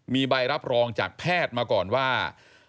มีใบรับรองจากแพทย์มาก่อนว่า